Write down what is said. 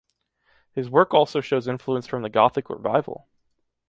His work also shows influences from the Gothic Revival.